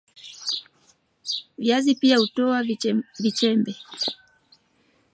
viazi pia hutoa Vichembe